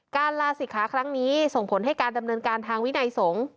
ลาศิกขาครั้งนี้ส่งผลให้การดำเนินการทางวินัยสงฆ์